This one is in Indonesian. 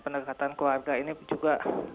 penergatan keluarga ini juga